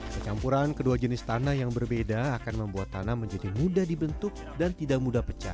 kecampuran kedua jenis tanah yang berbeda akan membuat tanah menjadi mudah dibentuk dan tidak mudah pecah